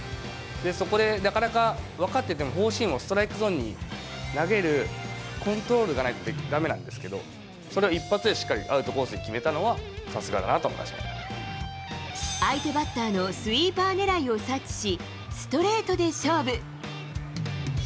そこでなかなか、分かってても、フォーシームをストライクゾーンに投げるコントロールがないとだめなんですけど、それを一発でしっかりアウトコースで決めたのは、さすがだなと思相手バッターのスイーパー狙いを察知し、ストレートで勝負。